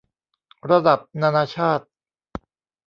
ระดับนานาชาติ